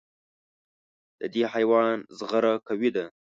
د دې حیوان زغره قوي ده.